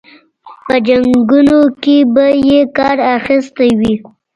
په جنګونو کې به یې کار اخیستی وي.